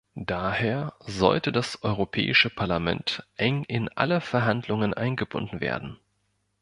Daher sollte das Europäische Parlament eng in alle Verhandlungen eingebunden werden.